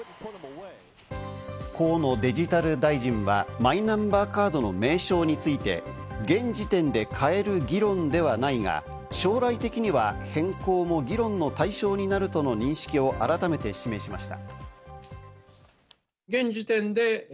河野デジタル大臣はマイナンバーカードの名称について、現時点で変える議論ではないが、将来的には変更も議論の対象になるとの認識を改めて示しました。